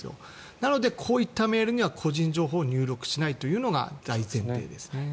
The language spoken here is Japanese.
なので、こういったメールには個人情報を入力しないというのが大前提ですね。